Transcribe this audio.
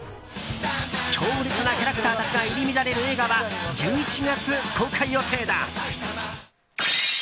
強烈なキャラクターたちが入り乱れる映画は１１月公開予定だ。